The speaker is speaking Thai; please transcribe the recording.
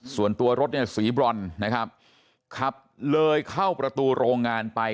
ส่วนตัวรถเนี่ยสีบรอนนะครับขับเลยเข้าประตูโรงงานไป